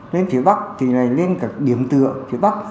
lên phía bắc thì này lên cả điểm tựa phía bắc